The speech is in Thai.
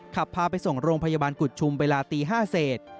พาไปส่งโรงพยาบาลกุฎชุมเวลาตี๕เศษ